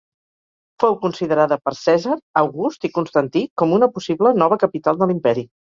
Fou considerada per Cèsar, August i Constantí com una possible nova capital de l'Imperi.